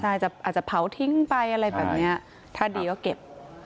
ใช่อาจจะเผาทิ้งไปอะไรแบบนี้ถ้าดีก็เก็บ